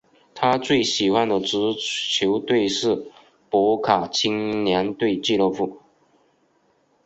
他最喜欢的足球队是博卡青年队俱乐部。